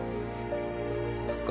そっか。